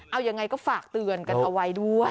เอายังไงก็ฝากเตือนกันเอาไว้ด้วย